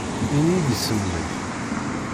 Ini-iyi-d isem-nnek.